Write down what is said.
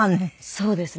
そうですね。